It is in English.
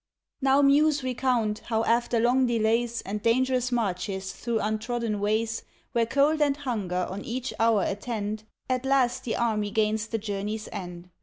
Now, Muse, recount, how after long delays And dangerous marches through untrodden ways, Where cold and hunger on each hour attend, At last the army gains the journey's end.